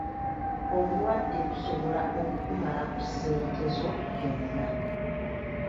Obulwadde busobola okukumalako ssente zo zonna.